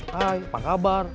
hai apa kabar